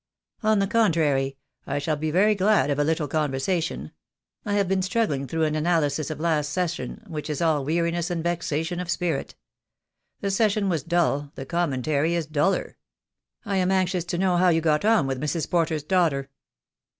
"On the contrary, I shall be very glad of a little con versation. I have been struggling through an analysis of last session, which is all weariness and vexation of spirit. The session was dull, the commentary is duller. I am anxious to know how you got on with Mrs. Porter's daughter."